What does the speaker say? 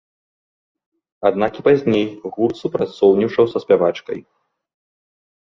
Аднак і пазней гурт супрацоўнічаў са спявачкай.